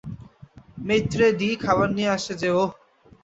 Maître d - খাবার নিয়ে আসে যে ওহ!